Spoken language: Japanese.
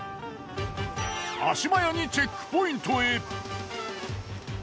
足早にチェックポイントへ。